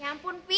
ya ampun pi